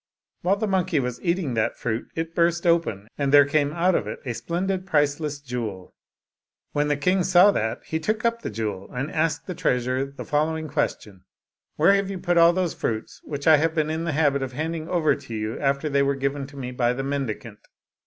While the monkey was eat ing that fruit, it burst open, and there came out of it a splendid priceless jewel. When the king saw that, he took up the jewel, and asked the treasurer the following ques tion, "Where have you put all those fruits which I have been in the habit of handing over to you, after they were given to me by the mendicant?